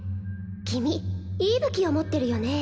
・君いい武器を持ってるよね？